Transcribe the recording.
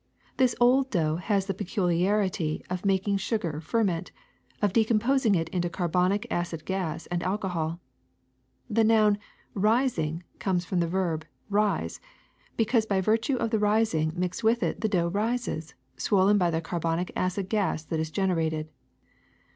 This old dough has the peculiarity of making sugar ferment, of decomposing it into car bonic acid gas and alcohol. The noun 'rising^ comes from the verb 'rise,' because by virtue of the rising mixed with it the dough rises, swollen by the carbonic acid gas that is generated.